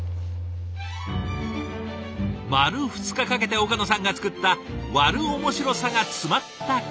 丸２日かけて岡野さんが作った「悪おもしろさ」が詰まった壁。